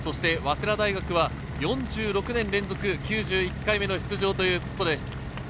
早稲田大学は４６年連続９１回目の出場ということです。